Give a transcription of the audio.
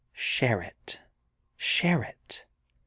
Share it, share it!